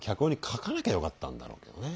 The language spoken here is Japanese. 書かなきゃよかったんだろうけどね。